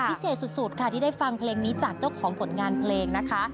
พิเศษสุดค่ะที่ได้ฟังเพลงนี้จากเจ้าของผลงานเพลงนะคะ